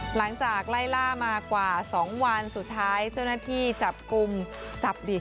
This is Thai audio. หลังจากไล่ล่ามากว่า๒วันสุดท้ายเจ้าหน้าที่จับกลุ่มจับดิ